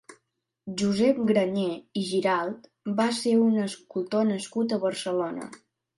Josep Granyer i Giralt va ser un escultor nascut a Barcelona.